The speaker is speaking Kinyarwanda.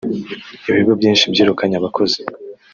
Ibigo byinshi byirukanye abakozi